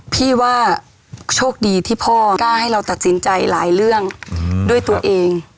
พี่ว่าโชคดีที่พ่อกล้าให้เราตัดสินใจหลายเรื่องด้วยตัวเอง